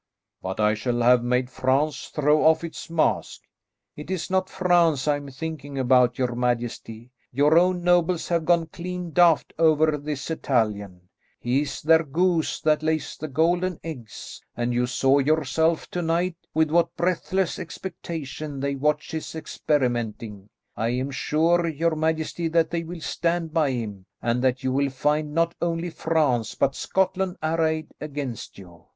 "But I shall have made France throw off its mask." "It is not France I am thinking about, your majesty. Your own nobles have gone clean daft over this Italian. He is their goose that lays the golden eggs, and you saw yourself to night with what breathless expectation they watched his experimenting. I am sure, your majesty, that they will stand by him, and that you will find not only France but Scotland arrayed against you.